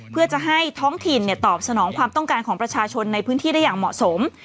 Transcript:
เพื่อจะให้ท้องถิ่นตอบสนองความต้องการของประชาชนในพื้นที่ได้อย่างเหมาะสม